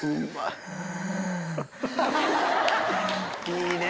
いいね！